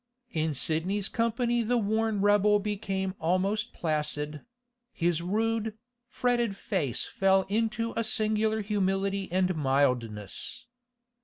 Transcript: In Sidney's company the worn rebel became almost placid; his rude, fretted face fell into a singular humility and mildness.